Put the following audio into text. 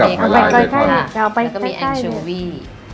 แล้วก็มีแอนชูวี